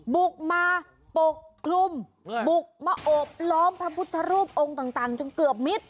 บุกมาปกคลุมบุกมาโอบล้อมพระพุทธรูปองค์ต่างจนเกือบมิตร